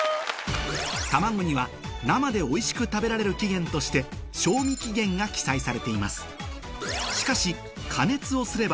卵には生でおいしく食べられる期限として賞味期限が記載されています